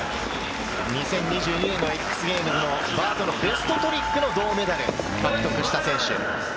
２０２２年のＸＧａｍｅｓのベストトリックの銅メダルを獲得した選手です。